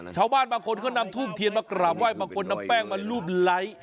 ชาวบ้านบางคนก็นำทุ่มเทียนมากราบว่าให้บางคนนำแป้งมาลูบไหล